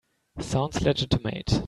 Sounds legitimate.